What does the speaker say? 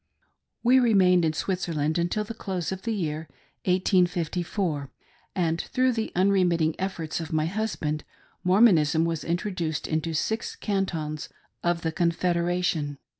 We remained in Switzerland until the close of the year 1854, and through the unremitting efforts of my husband, Mormonism was introduced into six cantons of the Confed eration.